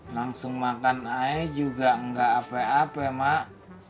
langsung makan aja juga gak ape ape mak